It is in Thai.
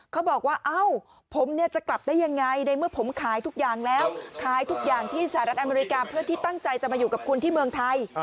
เขาบอกว่าเอ้าผมเนี่ยจะกลับได้ยังไงในเมื่อผมขายทุกอย่างแล้วขายทุกอย่างที่สหรัฐอเมริกาเพื่อที่ตั้งใจจะมาอยู่กับคุณที่เมืองไทย